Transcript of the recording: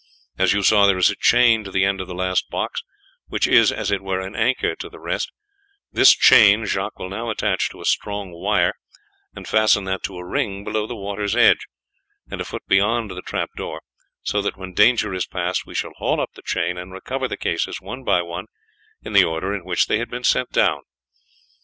As you saw, there is a chain to the end of the last box, which is, as it were, an anchor to the rest; this chain Jacques will now attach to a strong wire, and fasten that to a ring below the water's edge, and a foot beyond the trap door, so that when danger is past we shall haul up the chain and recover the cases one by one in the order in which they have been sent down."